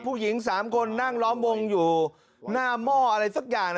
ผู้หญิง๓คนนั่งล้อมวงอยู่หน้าหม้ออะไรสักอย่าง